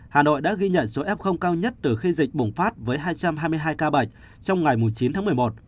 hà nội đã ghi nhận số f cao nhất từ khi dịch bùng phát với hai trăm hai mươi hai ca bệnh trong ngày chín tháng một mươi một